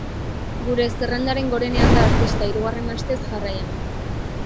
Gure zerrendaren gorenean da artista, hirugarren astez jarraian.